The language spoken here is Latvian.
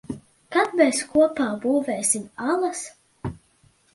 Kad mēs kopā būvēsim alas?